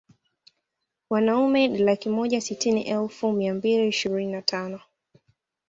Wanaume ni laki moja sitini elfu mia mbili ishirini na tano